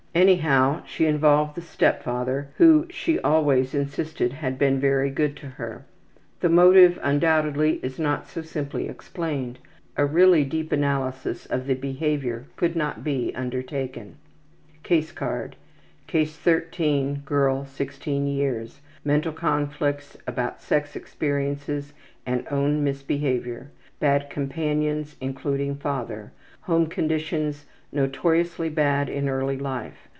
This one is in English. Anyhow, she involved the step father, who she always insisted had been very good to her. The motive undoubtedly is not so simply explained. A really deep analysis of the behavior could not be undertaken. Mental conflicts: About sex experiences Case 13. and own Girl, 16 yrs. misbehavior. Bad companions: Including father. Home conditions: Notoriously bad in early life.